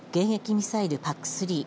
迎撃ミサイルＰＡＣ３。